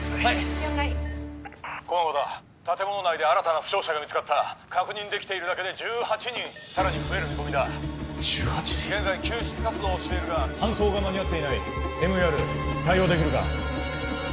了解駒場だ建物内で新たな負傷者が見つかった確認できているだけで１８人さらに増える見込みだ１８人現在救出活動をしているが搬送が間に合っていないＭＥＲ対応できるか？